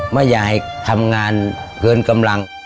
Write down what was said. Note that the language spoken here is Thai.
เมื่อยายทำงานเกินกำลัง